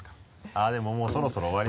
あでももうそろそろ終わり。